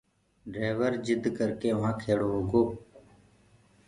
ڊليور جِد ڪرڪي وهآنٚ کڙو هوگو